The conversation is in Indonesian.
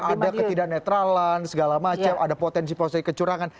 ada ketidak netralan segala macam ada potensi potensi kecurangan